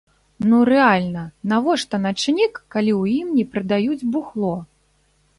Ну рэальна, навошта начнік, калі ў ім не прадаюць бухло!?